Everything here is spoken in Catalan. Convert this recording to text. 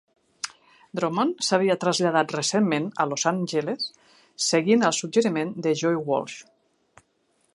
Droman s'havia traslladat recentment a Los Angeles seguint el suggeriment de Joe Walsh.